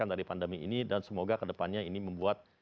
dan semoga ke depannya ini membuat